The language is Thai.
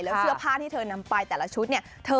แล้วเครือผ้าที่เธอนำไปแต่ละชุด